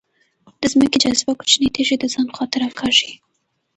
د ځمکې جاذبه کوچنۍ تیږې د ځان خواته راکاږي.